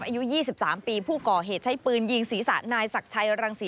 อายุ๒๓ปีผู้ก่อเหตุใช้ปืนยิงศีรษะนายศักดิ์ชัยรังศรี